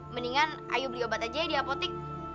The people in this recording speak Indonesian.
mendingan ayo beli obat aja ya di apotik